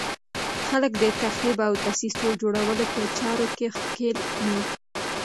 خلک د تخریب او دسیسو جوړولو په چارو کې ښکېل وي.